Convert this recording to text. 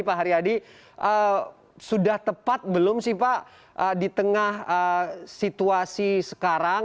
pak haryadi sudah tepat belum sih pak di tengah situasi sekarang